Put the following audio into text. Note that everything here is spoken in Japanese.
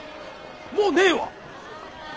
もうねえわ！